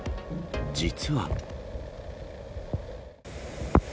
実は。